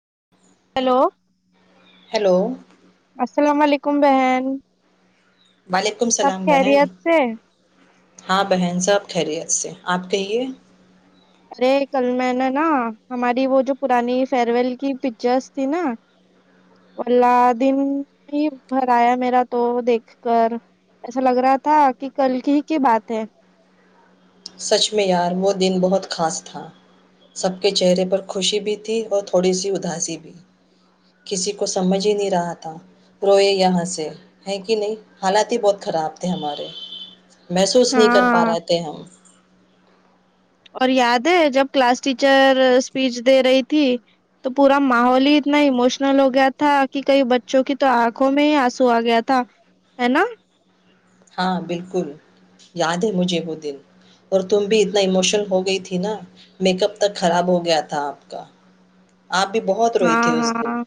[inaudible] hello hello السلام علیکم بہن وعلیکم سب السلام بہن خیریت سے ہاں بہن صاحب خیریت سے آپ کہیے ارے کل میں نےا نا ہماری وہ جو پرانی فیئر ویل کی پکچرس تھی نا اللہدن ہی بھرایا میرا تو دیکھ کر ایسا لگ رہا تھا کہ کل کی ہی کی بات ہے سچ میں یار وہ دن بہت خاص تھا سب کے چہرے پر خوشی بھی تھی اور تھوڑی سی اداسی بھی کسی کو سمجھ ہی نہیں رہا تھا پرو یہ یہاں سے ہے کہ نہیں حالات ہی بہت خراب تھے ہمارے محسوس نہیں کر پا ہاں رہے تھے ہم اور یاد ہے جب کلاس ٹیچر اسپیچ دے رہی تھی تو پورا ماحول ہی اتنا اموشنل ہو گیا تھا کہ کئی بچوں کی تو آنکھوں میں ہی آنسو آ گیا تھا ہے نا ہاں بالکل یاد ہے مجھے وہ دن اور تم بھی اتنا ایموشنل ہو گئی تھی نا میک اپ تک خراب ہو گیا تھا آپ کا آپ بھی بہت روئی ہاں تھی اس دن ہاں ا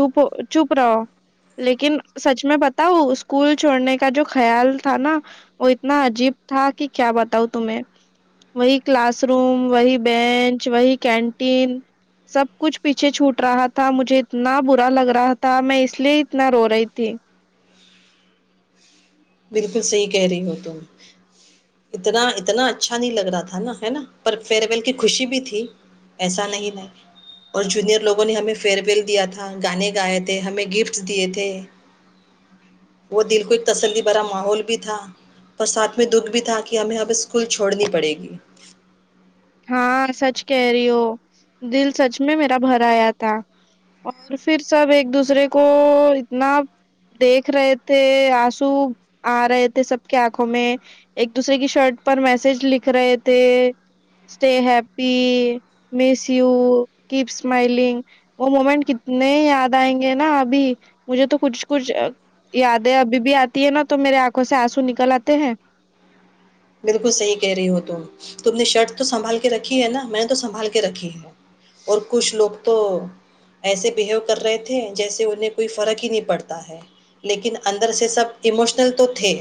چپ چپ رہو لیکن سچ میں بتاؤ اسکول چھوڑنے کا جو خیال تھا نا وہ اتنا عجیب تھا کہ کیا بتاؤ تمہیں وہی کلاس روم وہی بینچ وہی کینٹین سب کچھ پیچھے چھوٹ رہا تھا مجھے اتنا برا لگ رہا تھا میں اس لیے اتنا رو رہی تھی بالکل صحیح کہہ رہی ہو تم اتنا اتنا اچھا نہیں لگ رہا تھا نا ہے نا پر فیئر ویل کی خوشی بھی تھی ایسا نہیں ہے اور جونیئر لوگوں نے ہمیں فیئر ویل دیا تھا گانے گائے تھے ہمیں گفٹ دیے تھے وہ دل کو ایک تسلی بھرا ماحول بھی تھا پر ساتھ میں دکھ بھی تھا کہ ہمیں ابیں اسکول چھوڑنی پڑے گی ہاں سچ کہہ رہی ہو دل سچ میں میرا بھر آیا تھا اور پھر سب ایک دوسرے کو اتنا دیکھ رہے تھے آنسو آ رہے تھے سب کے آنکھوں میں ایک دوسرے کی شرٹ پر میسج لکھ رہے تھے stay happy miss you keep smiling وہ مومنٹ کتنے یاد آئیں گے نا ابھی مجھے تو کچھ کچھ یادیں ابھی بھی آتی ہے نا تو میرے آنکھوں سے آنسو نکل آتے ہیں بالکل صحیح کہہ رہی ہو تم تم نے شرٹ تو سنبھال کے رکھی ہے نا میں تو سنبھال کے رکھی ہے اور کچھ لوگ تو ایسے بہیو کر رہے تھے جیسے انہیں کوئی فرق ہی نہیں پڑتا ہے لیکن اندر سے سب ایموشنل تو تھے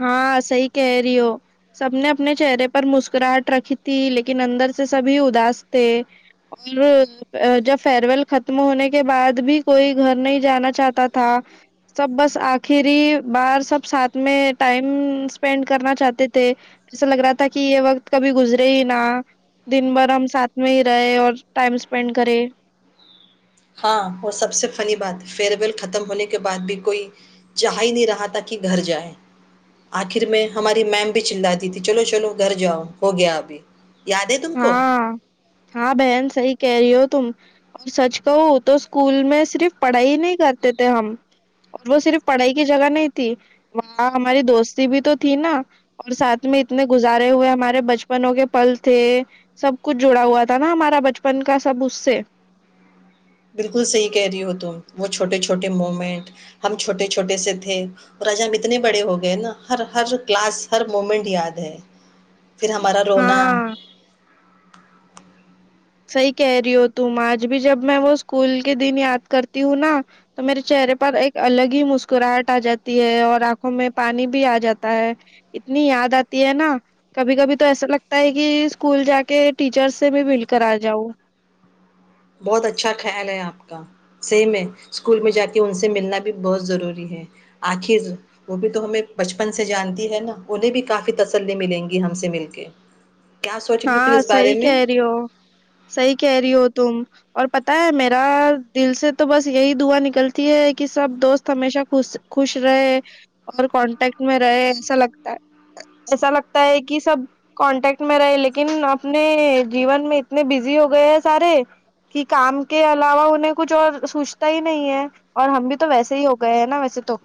ہاں صحی کہہ رہی ہو سب نے اپنے چہرے پر مسکراہٹ رکھی تھی لیکن اندر سے سبھی اداس تھے اور جب فیئر ویل ختم ہونے کے بعد بھی کوئی گھر نہیں جانا چاہتا تھا سب بس آخری ہی بار سب ساتھ میں ٹائم اسپینڈ کرنا چاہتے تھے جسا لگ رہا تھا کہ یہ وقت کبھی گزرے ہی نہا دن بھر ہم ساتھ میں ہی رہے اور ٹائم اسپینڈ کرے ہاں وہ سب سے فنی بات فیئر ویل ختم ہونے کے بعد بھی کوئی چاہ ہی نہیں رہا تھا کہ گھر جائے آخر میں ہماری میم بھی چلاتی تھی چلو چلو گھر جاؤ ہو گیا ابھی یاد ہے تم کو ہاں ہاں بہن سی کہہ رہی ہو تم اور سچ کہو تو اسکول میں صرف پڑھائی نہیں کرتے تھے ہم اور وہ صرف پڑھائی کی جگہ نہیں تھی وہاں ہماری دوستی بھی تو تھی نا اور ساتھ میں اتنے گزارے ہوئے ہمارے بچپنوں کے پل تھے سب کچھ جڑا ہوا تھا نا ہمارا بچپن کا سب اس سے بالکل صحیح کہہ رہی ہو تم وہ چھوٹے چھوٹے مومنٹ ہم چھوٹے چھوٹے سے تھے اور آجا ہم اتنے بڑے ہو گئے نا ہر ہر کلاس ہر مومنٹ یاد ہے پھر ہمارا رونا ہاں صحیح کہہ رہی ہو تم آج بھی جب میں وہ اسکول کے دن یاد کرتی ہوں نا تو میرے چہرے پر ایک الگ ہی مسکراہٹ آ جاتی ہے اور آنکھوں میں پانی بھی آ جاتا ہے اتنی یاد آتی ہے نا کبھی کبھی تو ایسا لگتا ہے کہ اسکول جا کے ٹیچر سے بھی بالکل کرا جاؤ بہت اچھا خیال ہے آپ کا سیم ہے اسکول میں جا کے ان سے ملنا بھی بہت ضروری ہے آخر وہ بھی تو ہمیں بچپن سے جانتی ہے نا انہیں بھی کافی تسلی ملیں گی ہم سے مل کے کیا سوچ رہی ہوں پھر ہاں اس بارے صحی میں کہہ رہی ہو سی کہہ رہی ہو تم اور پتاہ ہے میرا دل سے تو بس یہی دعا نکلتی ہے کہ سب دوست ہمیشہ خ خوش رہے اور کانٹیکٹ میں رہے ایسا لگتا ہے ایسا لگتا ہے کہ سب کانٹیکٹ میں رہے لیکن لیکن اپنے جیون میں اتنے بزی ہو گئے ہیں سارے کہ کام کے علاوہ انہیں کچھ اور سوچتا ہی نہیں ہے اور ہم بھی تو ویسے ہی ہو گئے ہیں نا ویسے تو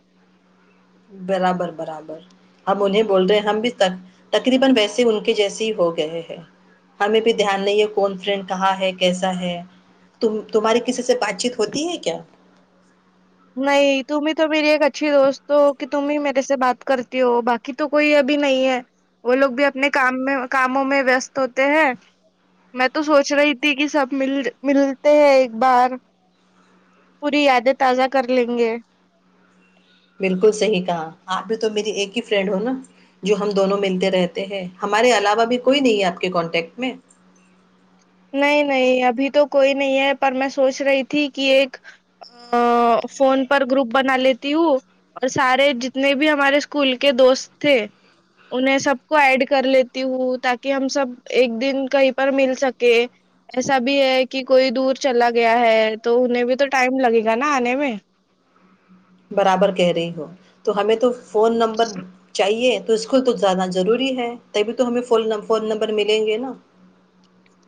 [inaudible] نہیں تم ہی تو میری ایک اچھی دوست ہو کہ تم ہی میرے سے بات کرتی ہو باقی تو کوئی ابھی نہیں ہے وہ لوگ بھی اپنے کام میں کاموں میں وستست ہوتے ہیں میں تو سوچ رہی تھی کہ سب مل ملتے ہیں ایک بار پوری یادیں تازہ کر لیں گے بالکل صحیح کہا آپ بھی تو میری ایک ہی فرینڈ ہو نا جو ہم دونوں ملتے رہتے ہیں ہمارے علاوہ بھی کوئی نہیں ہے آپ کے کانٹیکٹ میں نہیں نہیں ابھی تو کوئی نہیں ہے پر میں سوچ رہی تھی کہ ایک فون پر گروپ بنا لیتی ہوں اور سارے جتنے بھی ہمارے اسکول کے دوست تھے انہیں سب کو ایڈ کر لیتی ہوں تاکہ ہم سب ایک دن کہیں پر مل سک کہ ایسا بھی ہے کہ کوئی دور چلا گیا ہے تو انہیں بھی تو ٹائم لگے گا نا آنے میں برابر کہہ رہی ہو تو ہمیں تو فون نمبر چاہیے تو اسک تو زیادہ ضروری ہے تبھی تو ہمیں ف فون نمبر ملیں گے نا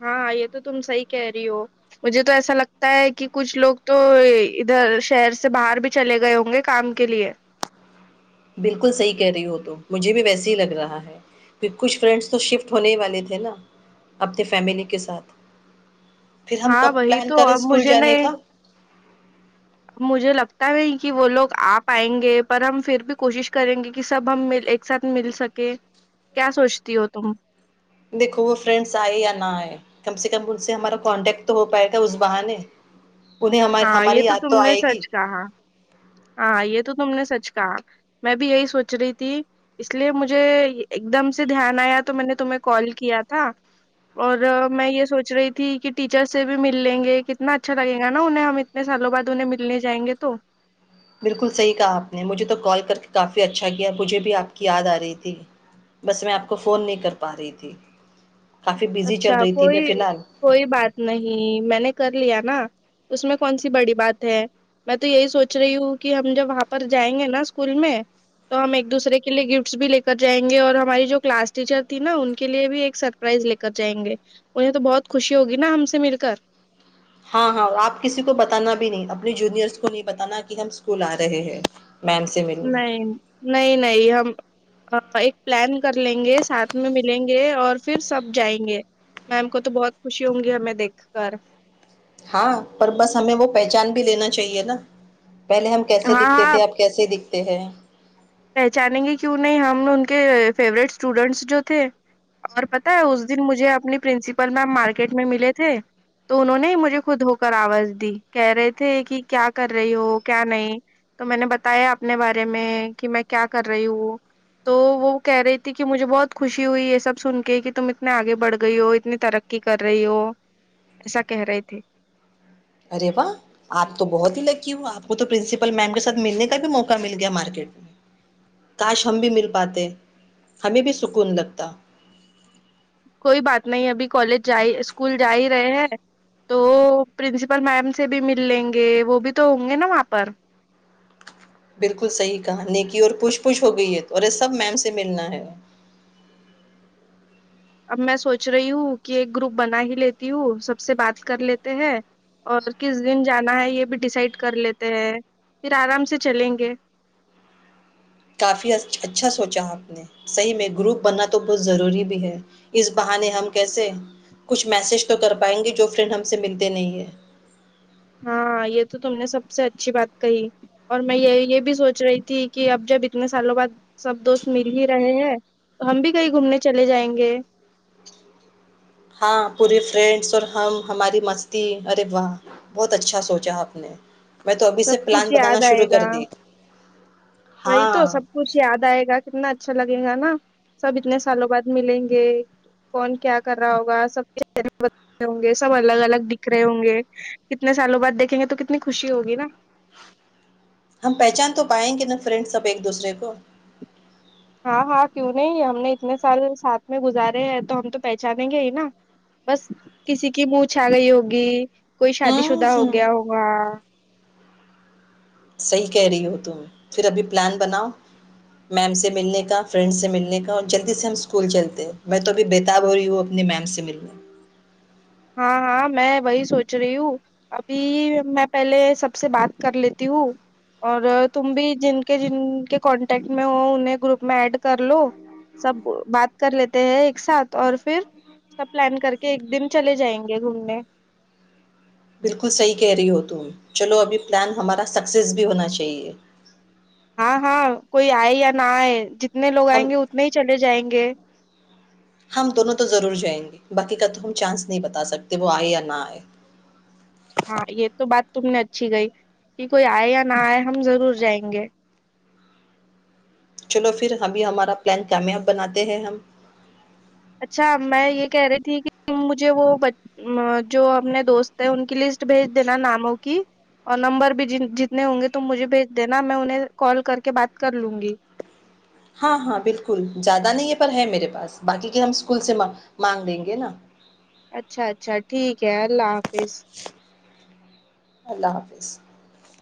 ہاں یہ تو تم صحی کہہ رہی ہو مجھے تو ایسا لگتا ہے کہ کچھ لوگ تو ادھر شہر سے باہر بھی چلے گئے ہوں گے کام کے لیے بالکل صحیح کہہ رہی ہو تو مجھے بھی ویسے ہی لگ رہا ہے کہ کچھ فرینڈس تو شفٹ ہونے والے تھے نا اپنی فیملی کے ساتھ پھر ہم ہاں کب وہی پلان تو کریں اب اسکول مجھے جانے نہیں کا مجھے لگتا نہیں کہ وہ لوگ آ پائیں گے پر ہم پھر بھی کوشش کریں گے کہ سب ہم ایک ساتھ مل سکے کیا سوچتی ہو تم دیکھو وہ فرینڈس آئے یا نہ آئے کم سے کم ان سے ہمارا کانٹیکٹ تو ہو پائے گ اس بہانے انہیں ہم ہاں یہ ہماری یاد تو تم نے آئے گی سچ کہا ہاں یہ تو تم نے سچ کہا میں بھی یہی سوچ رہی تھی اس لیے مجھے ایک دم سے دھیان آیا تو میں نے تمہیں کال کیا تھا اور میں یہ سوچ رہی تھی کہ ٹیچر سے بھی مل لیں گے کتنا اچھا لگے گا نا انہیں ہم اتنے سالوں بعد انہیں ملنے جائیں گے تو بالکل صحیح کہا آپ نے مجھے تو کال کر کے کافی اچھا کیا مجھے بھی آپ کی یاد آ رہی تھی بس میں آپ کو فون نہیں کر پا رہی تھی کافی بزی اچھا چل رہی تھی کوئی میں فی الحال کوئی بات نہیں میں نے کر لیا نا اس میں کون سی بڑی بات ہے میں تو یہی سوچ رہی ہوں کہ ہم جب وہاں پر جائیں گے نا اسکول میں تو ہم ایک دوسرے کے لیے گفٹس بھی لے کر جائیں گے اور ہماری جو کلاس ٹیچر تھی نا ان کے لیے بھی ایک سرپرائز لے کر جائیں گے مجھے تو بہت خوشی ہوگی نا ہم سے مل کر ہاں ہاں آپ کسی کو بتانا بھی نہیں اپنے جونیئرس کو نہیں بتانا کہ ہم اسکول آ رہے ہیں میم سے ملنے نہیں نہیں نہیں ہم ایک پلان کر لیں گے ساتھ میں ملیں گے اور پھر سب جائیں گے میم کو تو بہت خوشی ہوں گی ہمیں دیکھ کر ہاں پر بس ہمیں وہ پہچان بھی لینا چاہیے نا پہلے ہم کیس ہاں دکھتے ہاں تھے ا کیس دکھ ہے پہچانیں گے کیوں نہیں ہم ان کے فیورورٹ اسٹوڈینٹس جو تھے اور پتا ہے اس دن مجھے اپنی پرنسپل میم مارکیٹ میں ملے تھے تو انہوں نے ہی مجھے خود ہو کر آواز دی کہہ رہے تھے کہ کیا کر رہی ہو کیا نہیں تو میں نے بتایا اپنے بارے میں کہ میں کیا کر رہی ہوں تو وہ کہہ رہی تھی کہ مجھے بہت خوشی ہوئی یہ سب سن کے کہ تم اتنے آگے بڑھ گئی ہو اتنی ترقی کر رہی ہو ایسا کہہ رہے تھے ارے واہ آپ تو بہت ہی لکی ہ آپ کو تو پرنسپل میم کے ساتھ ملنے کا بھی موقع مل گیا مارکیٹ میں کاش ہم بھی مل پاتے ہمیں بھی سکون لگتا کوئی بات نہیں ابھی کالج ج اسکول جا ہی رہے ہیں تو پرنسپل میم سے بھی مل لیں گے وہ بھی تو ہوں گے نا وہاں پر بالکل صحیح کہانی کی اور پوچھ پوچھ ہو گئی ہے تو اور یہ سب میم سے ملنا ہے اب میں سوچ رہی ہوں کہ ایک گروپ بنا ہی لیتی ہوں سب سے بات کر لیتے ہے اور کس دن جانا ہے یہ بھی ڈسائڈ کر لیتے ہیں پھر آرام سے چلیں گے کافی اچھا سوچا آپ نے صحیح میں گروپ بننا تو بہت ضروری بھی ہے اس بہانے ہم کیسے کچھ میسج تو کر پائیں گے جو فرینڈ ہم سے ملتے نہیں ہے ہاں یہ تو تم نے سب سے اچھی بات کہی اور میں یہ یہ بھی سوچ رہی تھی کہ اب جب اتنے سالوں بعد سب دوست مل ہی رہے ہیں تو ہم بھی کہیں گھومنے چلے جائیں گے ہاں پورے فرینڈس اور ہم ہماری مستی ارے واہ بہت اچھا سوچا آپ نے میں تو ابھی سب سے پلان کچھ یاد بنانا آئے شروع گا کر دی وہی تو ہاں سب کچھ یاد آئے گا کتنا اچھا لگے گا نا سب اتنے سالوں بعد ملیں گے کون کیا کر رہا ہوگا سبر رہے ہوں گے سب الگ الگ دکھ رہے ہوں گے کتنے سالوں بعد دیکھیں گے تو کتنی خوشی ہوگی نا ہم پہچان تو پائیں گے نا فرینڈ سب ایک دوسرے کو ہاں ہاں کیوں نہیں ہم نے اتنے سال ساتھ میں گزارے ہیں تو ہم تو پہچانیں گے ہی نا بس کسی کی منہ چھا رہی ہوگی کوئی شادی ہوں شدہ ہو ہ گیا ہوا صحیح کہہ رہی ہو تم پھر ابھی پلان بناؤ میم سے ملنے کا فرینڈ سے ملنے کا اور جلدی سے ہم اسکول چلتے ہیں میں تو ابھی بیےتااب ہو رہی ہوں اپنے میم سے ملنے ہاں ہاں میں وہی سوچ رہی ہوں ابھی میں پہلے سب سے بات کر لیتی ہوں اور تم بھی جن کے جن کے کانٹیکٹ میں ہو انہیں گروپ میں ایڈ کر لو سب بات کر لیتے ہیں ایک ساتھ اور پھر سب پلان کر کے ایک دن چلے جائیں گے گھومنے بالکل صحیح کہہ رہی ہو تم چلو ابھی پلان ہمارا سکسیس بھی ہونا چاہیے ہاں ہاں کوئی آئے یا نہ آئے ج جتنے لگ آئ ہم گے اتنے ہی چل جائیں گے گ [unintelligible] ہم دونوں تو ضرور جائیں گے باقی کا تو ہم چانس نہیں بتا سکتے وہ آئے یا نہ آئے ہاں یہ تو بات تم نے اچھی کہی کہ کوئی آئے یا نہ آئے ہم ضرور جائیں گے چلو پھر ابھی ہمارا پلان کامیاب بناتے ہیں ہم اچھا میں یہ کہہ رہی تھی کہ مجھے وہ جو اپنے دوست ہیں ان کی لسٹ بھیج دینا ناموں کی اور نمبر بھی جتنے ہوں گے تم مجھے بھیج دینا میں انہیں کال کر کے بات کر لوں گی ہاں ہاں بالکل زیادہ نہیں ہے پر ہے میرے پاس باقی کے ہم اسکول سے مانگ لیں گے نا اچھا اچھا ٹھیک کیا اللہ حافظ اللہ حافظ [unintelligible]